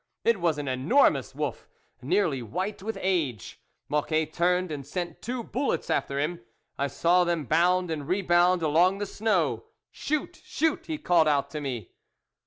" It was an enormous wolf, nearly white with age. Mocquet turned and sent two bullets after him ; I saw them bound and rebound along the snow. " Shoot, shoot !" he called out to me.